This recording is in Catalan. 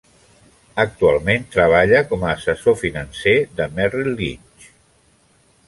Actualment treballa com a assessor financer de Merrill Lynch.